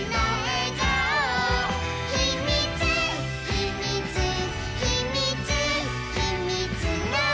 「ひみつひみつひみつひみつの」